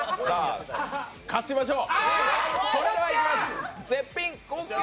勝ちましょう。